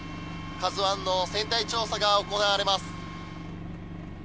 「ＫＡＺＵ１」の船体調査が行われます。